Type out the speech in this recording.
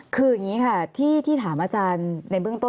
คืออย่างนี้ค่ะที่ถามอาจารย์ในเบื้องต้น